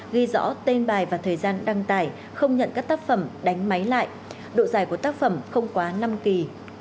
ghi rõ tên bài và thời gian đăng tải không nhận các tác phẩm đánh máy lại độ giải của tác phẩm không quá năm kỳ